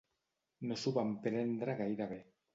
No s'ho van prendre gaire bé.